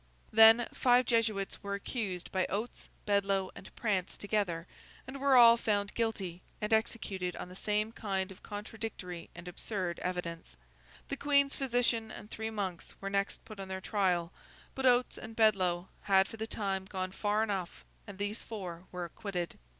Then, five Jesuits were accused by Oates, Bedloe, and Prance together, and were all found guilty, and executed on the same kind of contradictory and absurd evidence. The Queen's physician and three monks were next put on their trial; but Oates and Bedloe had for the time gone far enough and these four were acquitted.